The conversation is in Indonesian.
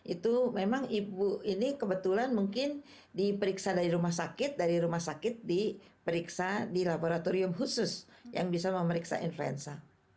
itu memang ibu ini kebetulan mungkin diperiksa dari rumah sakit dari rumah sakit diperiksa di laboratorium khusus yang bisa memeriksa influenza